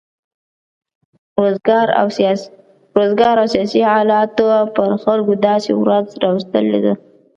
روزګار او سیاسي حالاتو پر خلکو داسې ورځ راوستې ده.